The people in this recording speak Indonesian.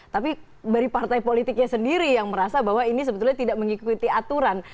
tapi dari partai politiknya sendiri yang merasa bahwa ini sebetulnya tidak mengikuti aturan